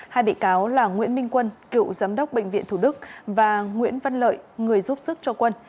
hai bị cáo là nguyễn minh quân cựu giám đốc bệnh viện thủ đức và nguyễn văn lợi người giúp sức cho quân